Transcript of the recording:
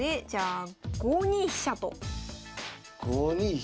じゃあ。